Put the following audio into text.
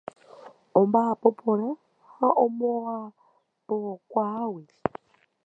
Omba'apo porã ha omba'apokuaágui.